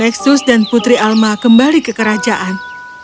nexus dan putri alma kembali ke kerajaan